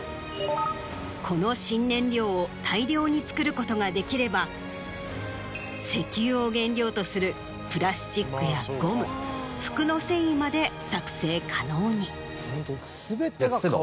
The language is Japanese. この新燃料を大量に作ることができれば石油を原料とするプラスチックやゴム服の繊維まで作成可能に。